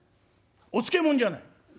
「お漬物」じゃない。